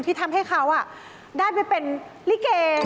ที่ทำให้เขาได้ไปเป็นลิเก